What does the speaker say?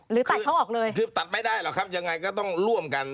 ตัดเขาออกเลยคือตัดไม่ได้หรอกครับยังไงก็ต้องร่วมกัน